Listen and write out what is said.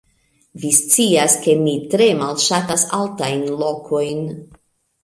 Vi scias ke mi tre malŝatas altajn lokojn